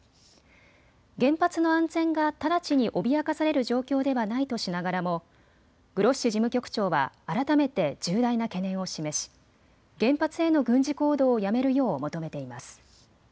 原発の安全が直ちに脅かされる状況ではないとしながらもグロッシ事務局長は改めて重大な懸念を示し、原発への軍事行動をやめるよう求めています。